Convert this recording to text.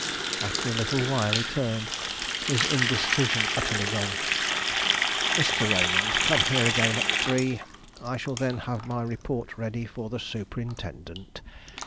After a little while he turned, his indecision utterly gone. "Mr. Raymond, come here again at three. I shall then have my report ready for the Superintendent.